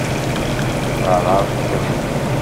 Xtareɣ-kem.